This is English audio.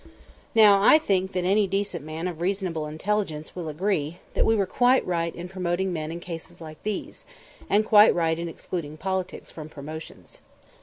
Now I think that any decent man of reasonable intelligence will agree that we were quite right in promoting men in cases like these, and quite right in excluding politics from promotions.